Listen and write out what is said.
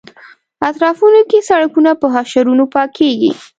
اطرافونو کې سړکونه په حشرونو پاکېږي.